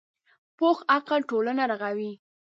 پوخ عقل ټولنه رغوي